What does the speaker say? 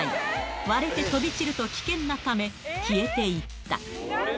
割れて飛び散ると危険なため、消えていった。